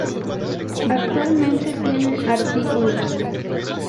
Actualmente, tiene artículos.